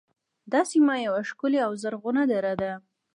دا سیمه یوه ښکلې او زرغونه دره ده